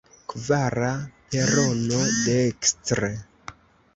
Kvara perono, dekstre.